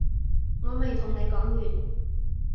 我未同你講完